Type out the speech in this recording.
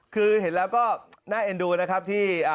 คือเห็นแล้วก็น่าเอ็นดูนะครับที่